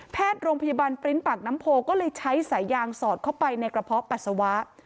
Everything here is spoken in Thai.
โรงพยาบาลปริ้นต์ปากน้ำโพก็เลยใช้สายยางสอดเข้าไปในกระเพาะปัสสาวะ